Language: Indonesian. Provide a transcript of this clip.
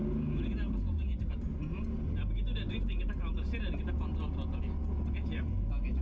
lalu kemudian handbrake itu benar benar harus tepatan ya ini harus diatur lalu kemudian handbrake itu benar benar harus diatur